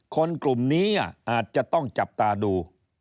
คนกลุ่มนี้อาจจะต้องจับตาดู